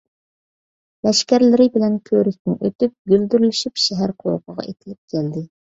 لەشكەرلىرى بىلەن كۆۋرۈكتىن ئۆتۈپ، گۈلدۈرلىشىپ شەھەر قوۋۇقىغا ئېتىلىپ كەلدى.